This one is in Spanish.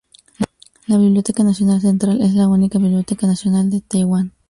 La Biblioteca Nacional Central es la única biblioteca nacional de Taiwán.